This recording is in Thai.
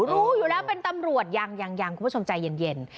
รู้อยู่แล้วเป็นตำรวจยังยังคุณผู้ชมใจเย็น